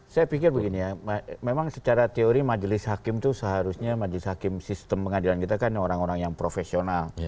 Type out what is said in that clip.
saya pikir begini ya memang secara teori majelis hakim itu seharusnya majelis hakim sistem pengadilan kita kan orang orang yang profesional